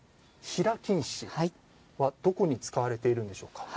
平金糸はどこに使われているんでしょうか？